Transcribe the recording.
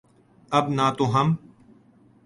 اب نہ تو ہم